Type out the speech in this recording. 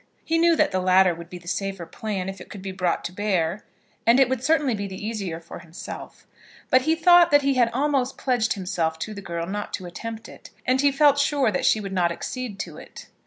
He knew that the latter would be the safer plan, if it could be brought to bear; and it would certainly be the easier for himself. But he thought that he had almost pledged himself to the girl not to attempt it, and he felt sure that she would not accede to it.